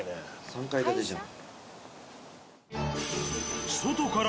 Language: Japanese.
３階建てじゃん。